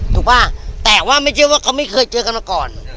ป่ะแต่ว่าไม่เชื่อว่าเขาไม่เคยเจอกันมาก่อน